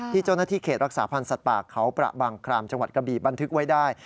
เจ้าหน้าที่เขตรักษาพันธ์สัตว์ป่าเขาประบางครามจังหวัดกะบีบันทึกไว้ได้